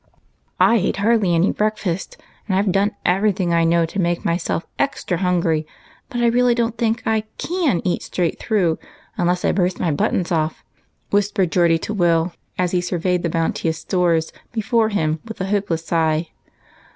"I ate hardly any breakfast, and I've done every thing I know to make myself extra hungry, but I really don't think I can eat straight through, unless I burst my buttons off," whispered Geordie to Will, as he sur veyed the bounteous stores before him with a hopeless sigh.